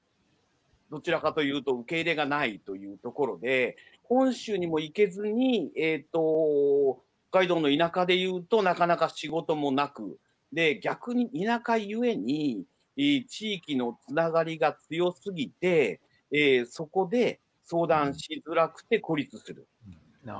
どちらかというと受け入れがないというところで本州にも行けずに北海道の田舎でいうとなかなか仕事もなくで逆に田舎ゆえに地域のつながりが強すぎてそこで相談しづらくて孤立する。